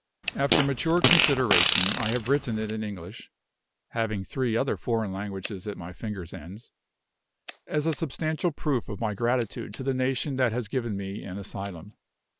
After mature consideration, I have written it in English (having three other foreign languages at my fingers' ends), as a substantial proof of my gratitude to the nation that has given me an asylum.